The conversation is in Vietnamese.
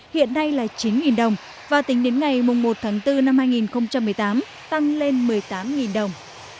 hiện nay là chín đồng và tính đến ngày một tháng bốn năm hai nghìn một mươi tám tăng lên một mươi tám đồng